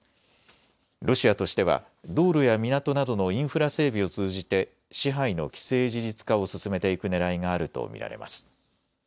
ロシアとしては道路や港などのインフラ整備を通じて支配の既成事実化を進めていくねらいがあると見られます。